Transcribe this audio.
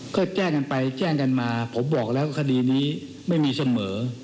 ก็แจ้งกันไปแจ้งกันมาผมบอกแล้วคดีนี้ไม่มีเสมอ